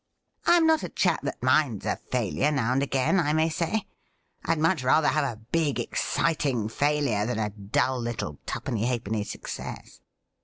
I am not a chap that minds a failure now and again, I may say. I'd much rather have a big, exciting failure than a dull little twopennv halfpenny success.